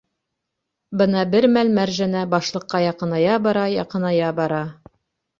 Бына бер мәл Мәржәнә башлыҡҡа яҡыная бара, яҡыная бара.